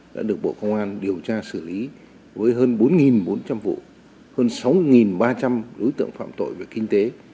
đã được bộ công an điều tra xử lý với hơn bốn bốn trăm linh vụ hơn sáu ba trăm linh đối tượng phạm tội về kinh tế